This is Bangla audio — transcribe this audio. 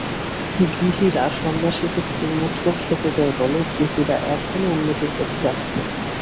গৃহীরা সন্ন্যাসীদের দুমুঠো খেতে দেয় বলে গৃহীরা এখনও উন্নতির পথে যাচ্ছে।